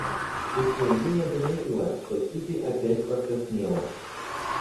И княгиня заметила, что Кити опять покраснела.